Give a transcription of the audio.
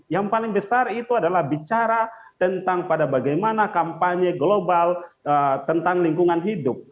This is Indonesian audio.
yang paling besar itu adalah bicara tentang pada bagaimana kampanye global tentang lingkungan hidup